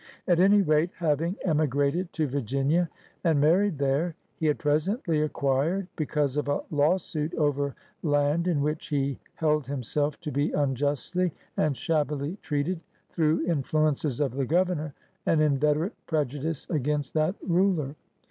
At any rate, having emigrated to Virginia and married there, he had presently acquired, because of a lawsuit over land in which he held himself to be unjustly and shab bily treated through influences of the Governor, an inveterate prejudice against that ruler.